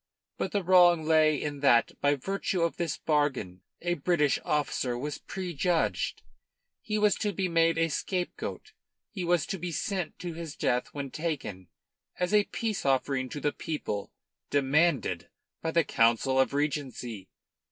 But the wrong lay in that by virtue of this bargain a British officer was prejudged. He was to be made a scapegoat. He was to be sent to his death when taken, as a peace offering to the people, demanded by the Council of Regency.